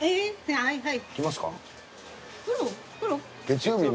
はいはい。